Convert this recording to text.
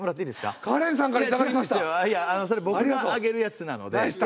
それ僕があげるやつなので。